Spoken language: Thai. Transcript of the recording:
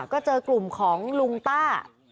ก็เจอกลุ่มของลุงต้า